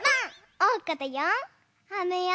おうかだよ。